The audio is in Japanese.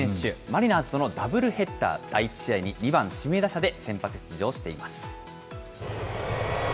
マリナーズとのダブルヘッダー、第１試合に２番指名打者で先発出場しています。